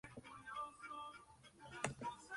Incluía una batería de litio de larga duración.